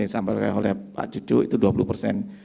sampai oleh pak cucu itu dua puluh persen